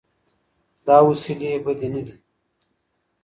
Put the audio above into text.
دا وسیلې بدې نه دي.